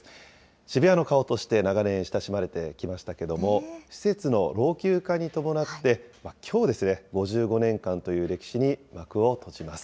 渋谷の顔として長年親しまれてきましたけども、施設の老朽化に伴って、きょうですね、５５年間という歴史に幕を閉じます。